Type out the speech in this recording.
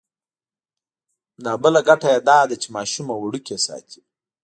دا بله ګټه یې دا ده چې ماشومه وړوکې ساتي.